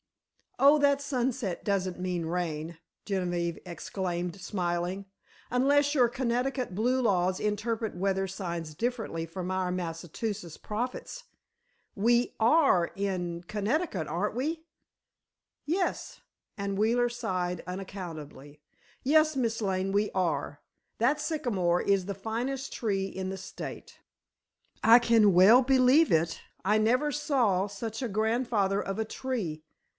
"Oh, that sunset doesn't mean rain," Genevieve exclaimed, smiling, "unless your Connecticut blue laws interpret weather signs differently from our Massachusetts prophets. We are in Connecticut, aren't we?" "Yes," and Wheeler sighed unaccountably. "Yes, Miss Lane, we are. That sycamore is the finest tree in the state." "I can well believe it. I never saw such a grandfather of a tree!